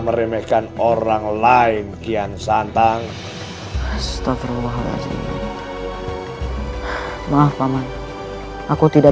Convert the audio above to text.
meremehkan orang lain kian santang astaghfirullahaladzim maaf paman aku tidak